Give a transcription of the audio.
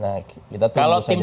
nah kita tunggu saja nanti